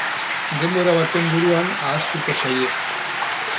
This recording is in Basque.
Denbora baten buruan ahaztuko zaie.